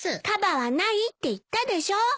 かばはないって言ったでしょ。